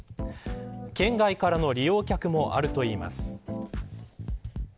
県外からの利用客もあるといいます。